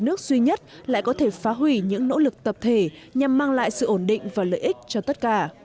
nước duy nhất lại có thể phá hủy những nỗ lực tập thể nhằm mang lại sự ổn định và lợi ích cho tất cả